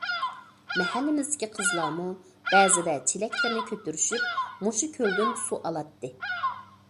مەھەللىمىزدىكى قىزلارمۇ بەزىدە چېلەكلىرىنى كۆتۈرۈشۈپ مۇشۇ كۆلدىن سۇ ئالاتتى.